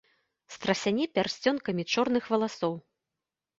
Страсяне пярсцёнкамі чорных валасоў.